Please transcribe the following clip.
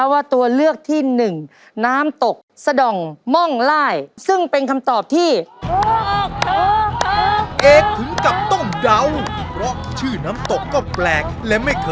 ว่าคำตอบของเอกจะถูกต้องหรือไม่